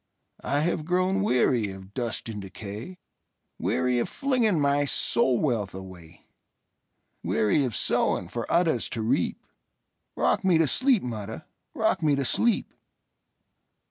I have grown weary of dust and decay,—Weary of flinging my soul wealth away; Weary of sowing for others to reap;—Rock me to sleep, mother,—rock me to sleep!